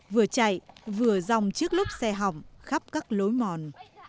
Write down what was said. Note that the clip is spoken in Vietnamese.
vừa chạy vừa dòng chiếc lúc xe học khắp các lối mòn